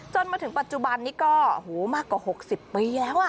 จนถึงปัจจุบันนี้ก็มากกว่า๖๐ปีแล้ว